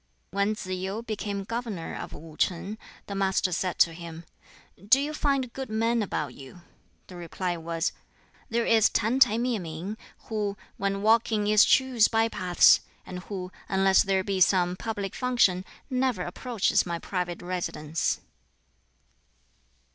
When Tsz yu became governor of Wu shing, the Master said to him, "Do you find good men about you?" The reply was, "There is Tan t'ai Mieh ming, who when walking eschews by paths, and who, unless there be some public function, never approaches my private residence."